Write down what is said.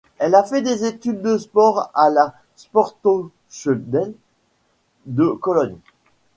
Elle a fait des études de sport à la Sporthochschule de Cologne.